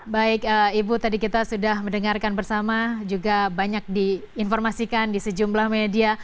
baik ibu tadi kita sudah mendengarkan bersama juga banyak diinformasikan di sejumlah media